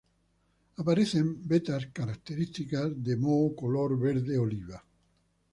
Aparecen vetas características de moho color verde oliva.